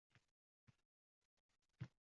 gilos gullarini poyandoz qilib